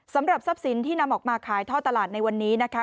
สำหรับทรัพย์สินที่นำออกมาขายท่อตลาดในวันนี้นะคะ